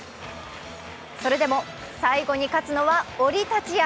それでも最後に勝つのはオリたちや！